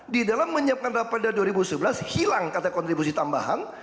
di dalam menyiapkan rapada dua ribu sebelas hilang kata kontribusi tambahan